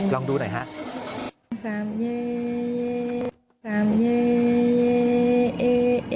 ลองดูหน่อยฮะ